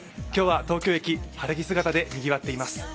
今日は東京駅、晴れ着姿でにぎわっています。